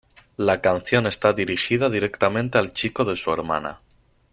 La canción está dirigida directamente al chico de su hermana.